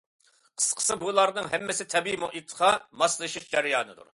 قىسقىسى، بۇلارنىڭ ھەممىسى تەبىئىي مۇھىتقا ماسلىشىش جەريانىدۇر.